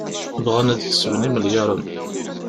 Bɣan ad kesben imelyaṛen.